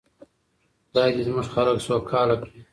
خدای دې زموږ خلک سوکاله کړي.